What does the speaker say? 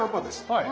はい。